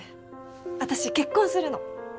私結婚するの。